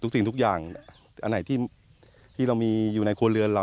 สิ่งทุกอย่างอันไหนที่เรามีอยู่ในครัวเรือนเรา